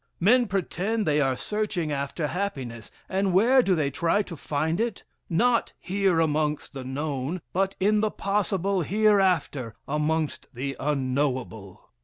Men pretend they are searching after happiness, and where do they try to find it? Not here amongst the known, but in the possible hereafter amongst the unknowable.